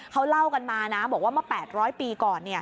เขาเล่ากันมานะบอกว่าเมื่อ๘๐๐ปีก่อน